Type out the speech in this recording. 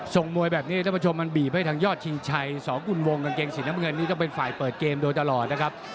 มวยแบบนี้ท่านผู้ชมมันบีบให้ทางยอดชิงชัยสองกุลวงกางเกงสีน้ำเงินนี่ต้องเป็นฝ่ายเปิดเกมโดยตลอดนะครับ